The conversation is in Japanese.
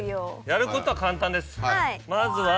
やることは簡単ですまずは。